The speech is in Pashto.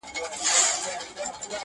یو ګنجی خدای برابر پر دې بازار کړ-